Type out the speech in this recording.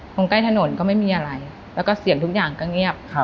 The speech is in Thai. ตรงใกล้ถนนก็ไม่มีอะไรแล้วก็เสียงทุกอย่างก็เงียบ